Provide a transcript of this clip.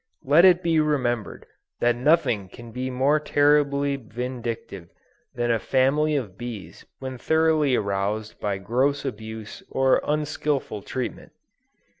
Let it be remembered that nothing can be more terribly vindictive than a family of bees when thoroughly aroused by gross abuse or unskillful treatment.